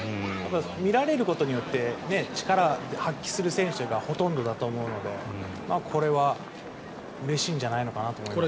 見られることによって力を発揮する選手がほとんどだと思うので、これはうれしいんじゃないのかなと思いますね。